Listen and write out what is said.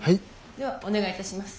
ではお願いいたします。